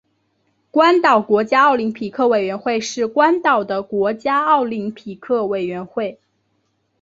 关岛国家奥林匹克委员会是关岛的国家奥林匹克委员会。